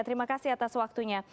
terima kasih atas waktunya